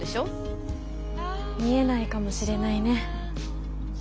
見えないかもしれないね。